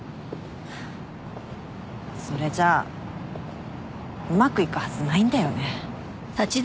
それじゃあうまくいくはずないんだよね。